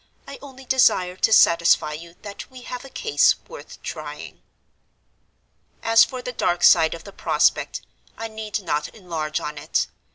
I only desire to satisfy you that we have a case worth trying. "As for the dark side of the prospect, I need not enlarge on it.